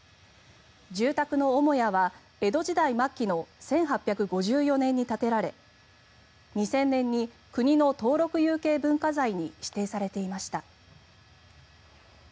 住宅の母屋は江戸時代末期の１８５４年に建てられ２０００年に国の登録有形文化財に指定されていました。